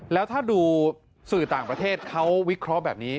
แล้วถ้าดูสื่อต่างประเทศเขาวิเคราะห์แบบนี้